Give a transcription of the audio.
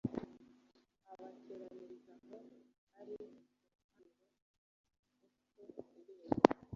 abateraniriza aho ari mu muharuro wo ku irembo